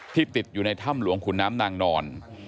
ติดอยู่ในถ้ำหลวงขุนน้ำนางนอน